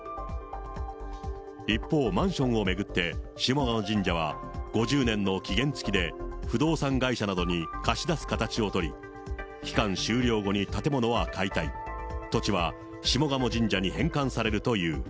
一方マンションを巡って、下鴨神社は５０年の期限付きで不動産会社などに貸し出す形を取り、期間終了後に建物は解体、土地は下鴨神社に返還されるという。